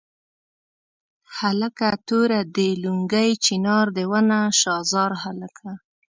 هلکه توره دې لونګۍ چنار دې ونه شاه زار هلکه.